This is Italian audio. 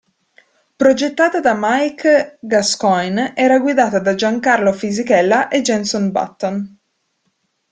Progettata da Mike Gascoyne, era guidata da Giancarlo Fisichella e Jenson Button.